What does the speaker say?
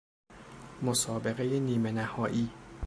مسابقه نیمه نهائی